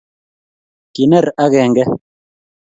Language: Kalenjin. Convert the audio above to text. Kiner agenge